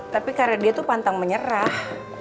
tapi karena dia tuh pantang menyerah